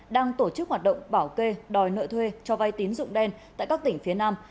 đang tổ chức hoạt động bảo kê đòi nợ thuê cho vay tín dụng đen tại các tỉnh phía nam